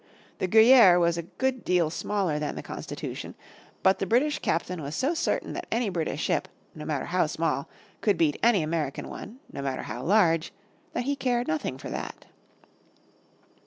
The Guerriere was a good deal smaller than the Constitution, but the British captain was so certain that any British ship, no matter how small, could beat any American one, no matter how large, that he cared nothing for that.